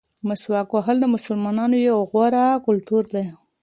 مسواک وهل د مسلمانانو یو غوره کلتور دی.